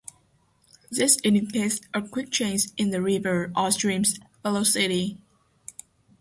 This indicates a quick change in the river or stream's velocity.